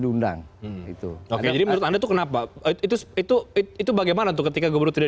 diundang itu oke jadi menurut anda itu kenapa itu itu bagaimana tuh ketika gubernur tidak